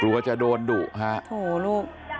กลัวจะโดนดุฮะโหลูก